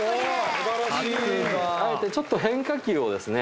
素晴らしいあえてちょっと変化球をですね